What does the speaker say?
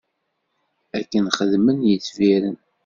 Akken xeddmen yetbiren.